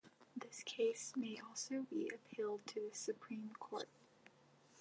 This case may also be appealed to the Supreme Court.